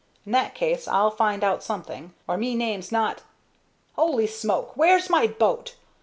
In that case I'll find out something, or me name's not Holy smoke! where's me boat?